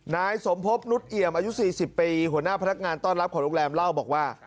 นายสมพบนุษยเอี่ยมอายุ๔๐ปีหัวหน้าพนักงานต้อนรับของโรงแรมเล่าบอกว่า